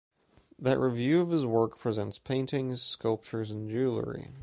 That review of his work presents paintings, sculptures and jewelry.